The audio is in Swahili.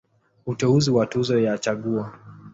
Uteuzi wa Tuzo ya Chaguo.